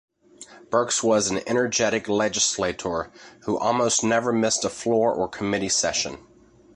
Burks was an energetic legislator who almost never missed a floor or committee session.